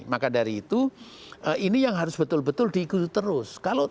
maka dari itu ini yang harus betul betul diikuti terus